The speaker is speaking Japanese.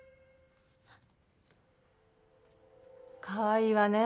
かわいいわね